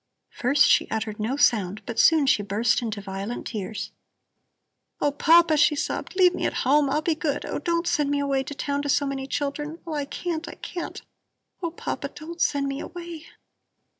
First she uttered no sound, but soon she burst into violent tears. "Oh, Papa," she sobbed, "leave me at home! I'll be good. Oh, don't send me to town to so many children! Oh, I can't, I can't. Oh, Papa, don't send me away!"